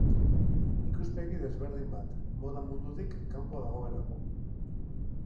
Ikuspegi desberdin bat, moda mundutik kanpo dagoelako.